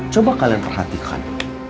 coba kalian perhatikan